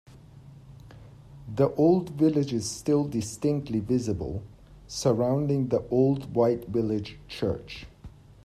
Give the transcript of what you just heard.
The old village is still distinctly visible, surrounding the old white village church.